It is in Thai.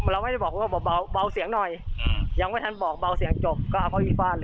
เราไม่ได้บอกว่าเบาเสียงหน่อยยังไม่ทันบอกเบาเสียงจบก็เอาเขาอีกฟาดเลย